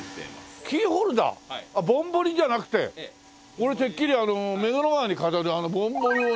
俺てっきりあの目黒川に飾るあのぼんぼりをね